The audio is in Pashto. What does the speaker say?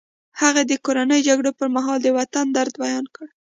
هغې د کورنیو جګړو پر مهال د وطن درد بیان کړ